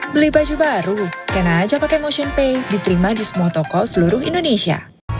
beli baju baru kena aja pake motionpay diterima di semua toko seluruh indonesia